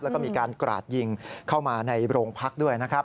แล้วก็มีการกราดยิงเข้ามาในโรงพักด้วยนะครับ